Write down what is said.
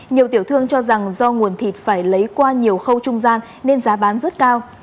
nhiều tiểu thương cho rằng do nguồn thịt phải lấy qua nhiều khâu trung gian nên giá bán rất cao